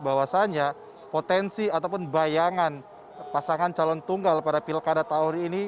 bahwasannya potensi ataupun bayangan pasangan calon tunggal pada pilkada tahun ini